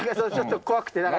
ちょっと怖くて。